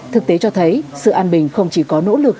thực tế cho thấy sự an bình không chỉ có nỗ lực